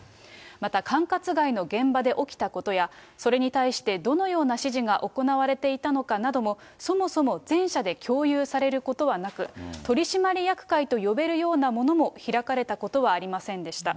また、管轄外の現場で起きたことや、それに対してどのような指示が行われていたのかなども、そもそも全社で共有されることはなく、取締役会と呼べるようなものも開かれたことはありませんでした。